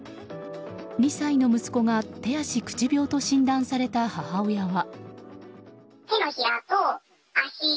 ２歳の息子が手足口病と診断された母親は。